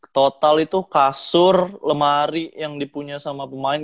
total itu kasur lemari yang dipunya sama pemain